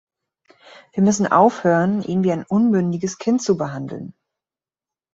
Wir müssen aufhören, ihn wie ein unmündiges Kind zu behandeln.